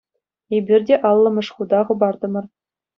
Эпир те аллӑмӗш хута хӑпартӑмӑр.